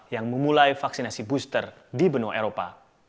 yang memulai vaksinasi booster di benua eropa